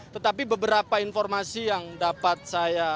tetapi beberapa informasi yang dapat saya